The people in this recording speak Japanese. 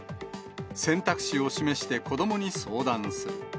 選択肢を示して子どもに相談する。